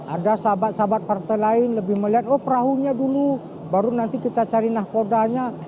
ada sahabat sahabat partai lain lebih melihat oh perahunya dulu baru nanti kita cari nahkodanya